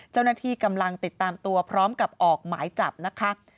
เจ้าหน้าที่กำลังติดตามตัวพร้อมกับออกหมายจับนะคะ